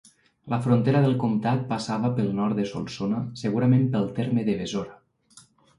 La frontera del comtat passava pel nord de Solsona segurament pel terme de Besora.